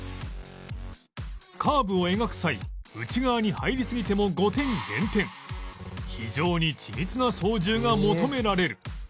カーブを描く際内側に入りすぎても５点減点非常に緻密な操縦が求められる